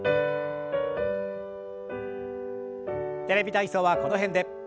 「テレビ体操」はこの辺で。